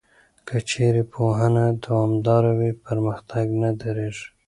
که چېرې پوهنه دوامداره وي، پرمختګ نه درېږي.